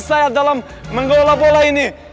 saya dalam mengelola bola ini